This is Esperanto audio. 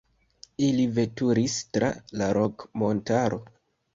Ili veturis tra la Rok-montaro.